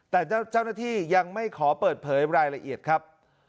แต่เจ้าหน้าที่ยังไม่ขอเปิดเผยรายละเอียดครับ